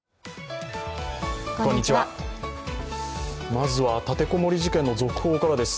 まずは、立て籠もり事件の続報からです。